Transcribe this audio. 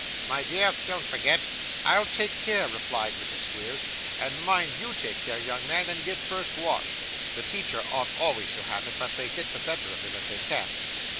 My dear, don't forget.' 'I'll take care,' replied Mrs. Squeers; 'and mind YOU take care, young man, and get first wash. The teacher ought always to have it; but they get the better of him if they can.